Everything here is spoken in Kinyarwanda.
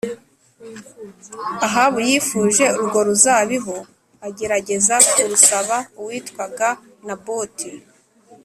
Ahabu yifuje urwo ruzabibu agerageza kurusaba uwitwaga Naboti